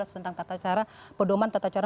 tentang tata cara pedoman tata cara